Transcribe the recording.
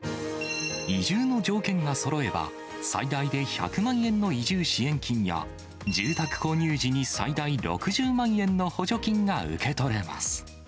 移住の条件がそろえば、最大で１００万円の移住支援金や、住宅購入時に最大６０万円の補助金が受け取れます。